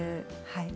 はい。